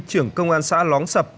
trưởng công an xã lóng sập